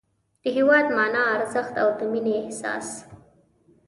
د هېواد مانا، ارزښت او د مینې احساس